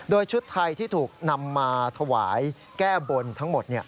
โดยชุดไทยที่ถูกนำมาถวายแก้บนทั้งหมด